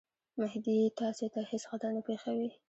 مهدي تاسي ته هیڅ خطر نه پېښوي.